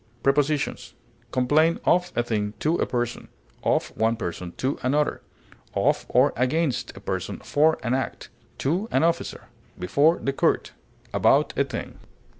Prepositions: Complain of a thing to a person; of one person to another, of or against a person for an act; to an officer; before the court; about a thing.